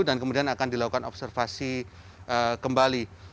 dan kemudian akan dilakukan observasi kembali